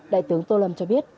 đại tướng tô lâm cho biết